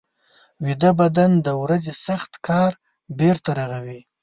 ویده بدن د ورځې سخت کار بېرته رغوي